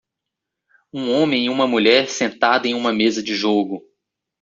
Um homem e uma mulher sentada em uma mesa de jogo.